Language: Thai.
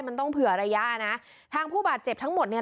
มันต้องเผื่อระยะนะทางผู้บาดเจ็บทั้งหมดเนี่ย